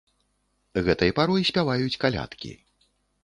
Гэтай парой спяваюць калядкі.